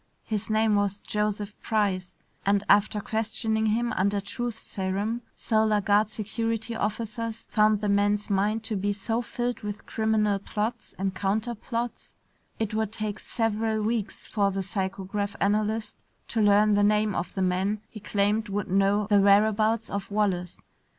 His name was Joseph Price, and after questioning him under truth serum, Solar Guard security officers found the man's mind to be so filled with criminal plots and counter plots, it would take several weeks for the psychograph analyst to learn the name of the man he claimed would know the whereabouts of Wallace.